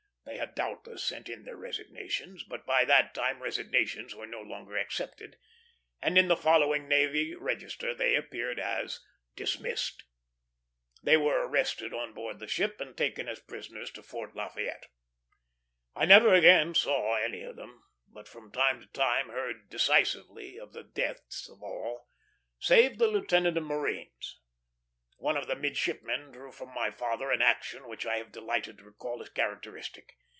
They had doubtless sent in their resignations; but by that time resignations were no longer accepted, and in the following Navy Register they appeared as "dismissed." They were arrested on board the ship and taken as prisoners to Fort Lafayette. I never again saw any of them; but from time to time heard decisively of the deaths of all, save the lieutenant of marines. One of the midshipmen drew from my father an action which I have delighted to recall as characteristic.